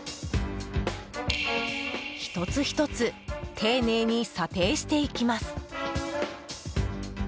１つ１つ丁寧に査定していきます。